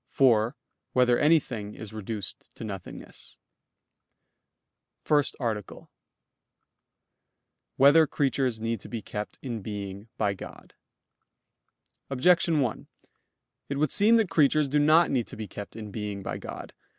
(4) Whether anything is reduced to nothingness? _______________________ FIRST ARTICLE [I, Q. 104, Art. 1] Whether Creatures Need to Be Kept in Being by God? Objection 1: It would seem that creatures do not need to be kept in being by God.